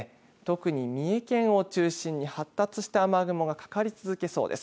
特に三重県を中心に発達した雨雲がかかり続けそうです。